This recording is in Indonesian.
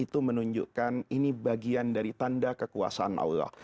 itu menunjukkan ini bagian dari tanda kekuasaan allah